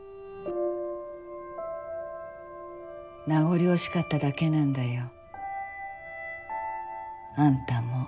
名残惜しかっただけなんだよあんたも私も。